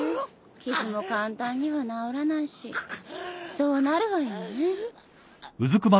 傷も簡単には治らないしそうなるわよね。